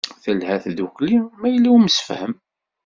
Telha tdukli ma yella umsefham.